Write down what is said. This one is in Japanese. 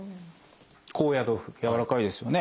高野豆腐やわらかいですよね。